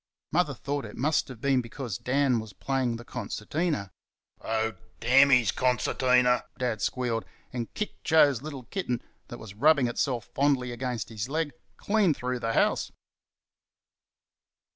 Mother thought it must have been because Dan was playing the concertina. "Oh, DAMN his concertina!" Dad squealed, and kicked Joe's little kitten, that was rubbing itself fondly against his leg, clean through the house.